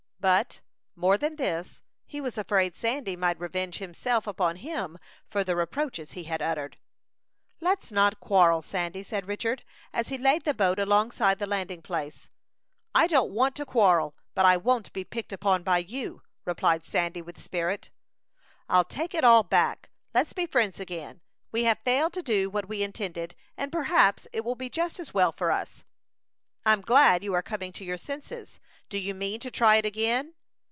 But, more than this, he was afraid Sandy might revenge himself upon him for the reproaches he had uttered. "Let's not quarrel, Sandy," said Richard, as he laid the boat alongside the landing place. "I don't want to quarrel, but I won't be picked upon by you," replied Sandy, with spirit. "I'll take it all back. Let's be friends again. We have failed to do what we intended, and perhaps it will be just as well for us." "I'm glad you are coming to your senses. Do you mean to try it again?"